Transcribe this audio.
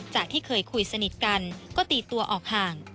ที่เคยคุยสนิทกันก็ตีตัวออกห่าง